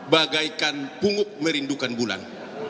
bagaikan pungut merindukan bulan